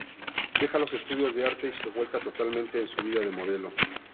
Deja los estudios de arte y se vuelca totalmente en su vida de modelo.